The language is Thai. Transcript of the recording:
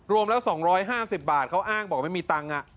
รวมแล้ว๒๕๐บาทเขาอ้างบอกไม่มีตังค์